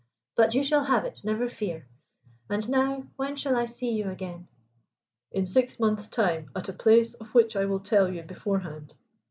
But you shall have it, never fear. And now when shall I see you again?" "In six months' time at a place of which I will tell you beforehand."